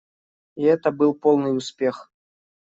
И это был полный успех.